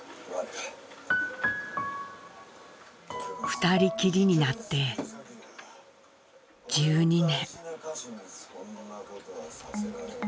２人きりになって１２年。